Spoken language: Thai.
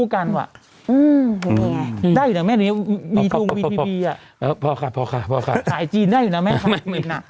อยากให้พี่หนุ่มกับพี่โบดำเล่นซีรีย์วาย